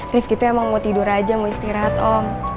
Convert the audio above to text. rif gitu emang mau tidur aja mau istirahat om